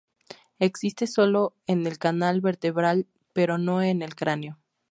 Existe sólo en el canal vertebral pero no en el cráneo.